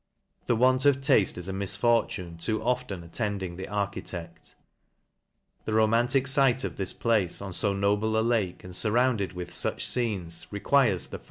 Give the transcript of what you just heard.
The Want of tafle Is a misfortune too often attend ing the architect; the romantic fiteof this place, on Co noble a lake, and furrounded with fuch fcenes, requires the fi.